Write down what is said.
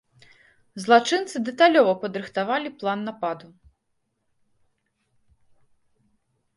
Злачынцы дэталёва падрыхтавалі план нападу.